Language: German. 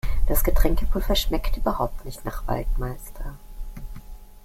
Das Getränkepulver schmeckt überhaupt nicht nach Waldmeister.